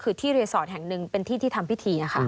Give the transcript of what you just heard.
คือที่รีสอร์ทแห่งหนึ่งเป็นที่ที่ทำพิธี